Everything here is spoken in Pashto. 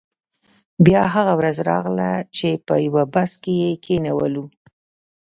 بیا هغه ورځ راغله چې په یو بس کې یې کینولو.